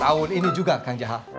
berangkat tahun ini juga kang jahal